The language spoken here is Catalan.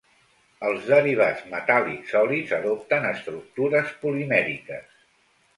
Els derivats metàl·lics sòlids adopten estructures polimèriques.